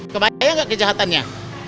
kebayang nggak kejahatannya